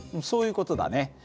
そういう事だね。